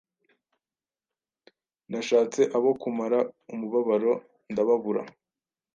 nashatse abo kumara umubabaro, ndababura.”